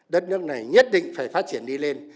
đất nước này nhất định phải phát triển đi lên